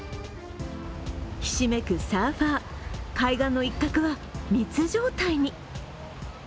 ひしめくサーファー、海岸の一角は密状態に。